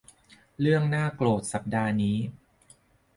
เรื่องน่าโกรธสัปดาห์นี้